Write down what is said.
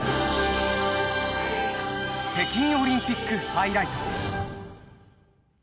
北京オリンピックハイライト。